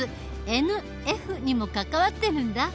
「ＮＦ」にも関わってるんだ。